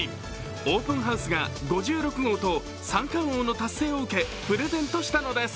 オープンハウスが５６号と三冠王の達成を受けプレゼントしたのです。